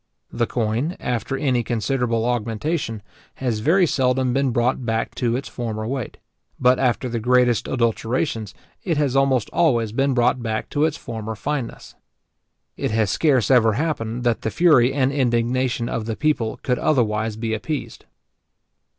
The coin, after any considerable augmentation, has very seldom been brought back to its former weight; but after the greatest adulterations, it has almost always been brought back to its former fineness. It has scarce ever happened, that the fury and indignation of the people could otherwise be appeased.